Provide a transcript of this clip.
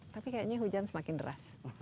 tapi kayaknya hujan semakin deras